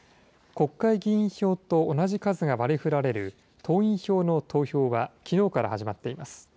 国会議員票と同じ数が割りふられる党員票の投票はきのうから始まっています。